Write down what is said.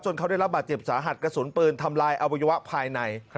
เขาได้รับบาดเจ็บสาหัสกระสุนปืนทำลายอวัยวะภายใน